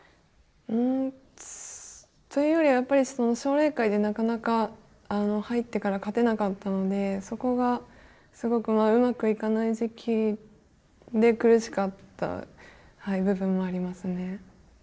うんというよりはやっぱり奨励会でなかなか入ってから勝てなかったのでそこがすごくまあうまくいかない時期で苦しかった部分もありますね。